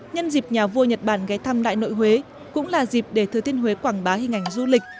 nhân dịp nhà vua nhật bản ghé thăm đại nội huế cũng là dịp để thừa thiên huế quảng bá hình ảnh du lịch